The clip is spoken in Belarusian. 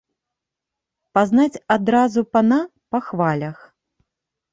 Пазнаць адразу пана па халявах.